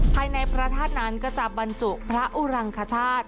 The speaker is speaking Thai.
ภายในพระธาตุนั้นก็จะบรรจุพระอุรังคชาติ